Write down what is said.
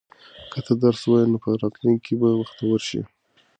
که ته درس ووایې نو په راتلونکي کې به بختور شې.